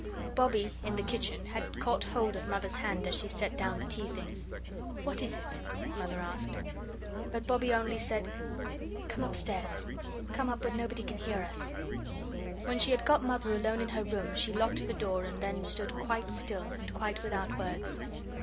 Bobbie, in the kitchen, had caught hold of Mother's hand as she set down the tea things. "What is it?" Mother asked. But Bobbie only said, "Come upstairs, come up where nobody can hear us." When she had got Mother alone in her room she locked the door and then stood quite still, and quite without words.